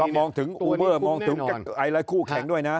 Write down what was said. มองถึงอูเบอร์มองถึงอะไรคู่แข่งด้วยนะ